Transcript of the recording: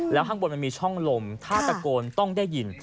แล้วข้างบนมันมีช่องลมถ้าตะโกนต้องได้ยิน